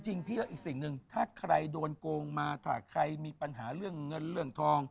พี่แล้วอีกสิ่งหนึ่งถ้าใครโดนโกงมาถ้าใครมีปัญหาเรื่องเงินเรื่องทอง